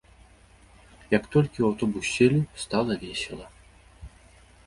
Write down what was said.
Як толькі ў аўтобус селі, стала весела.